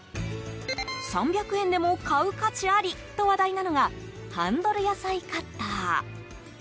３００円でも買う価値ありと話題なのがハンドル野菜カッター。